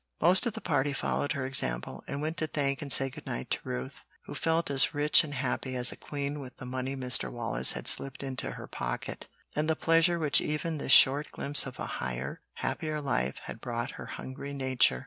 Most of the party followed her example, and went to thank and say good night to Ruth, who felt as rich and happy as a queen with the money Mr. Wallace had slipped into her pocket, and the pleasure which even this short glimpse of a higher, happier life had brought her hungry nature.